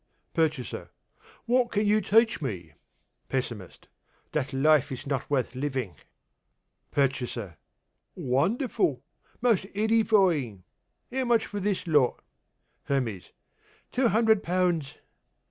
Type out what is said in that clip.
PURCHASER: What can you teach me? PESSIMIST: That Life is not worth Living. PURCHASER: Wonderful! Most edifying! How much for this lot? HERMES: Two hundred pounds.